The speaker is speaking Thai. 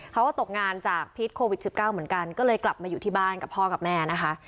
เขาก็ตกงานจากพิษโควิด๑๙เหมือนกันก็เลยกลับมาอยู่ที่บ้านกับพ่อกับแม่นะคะ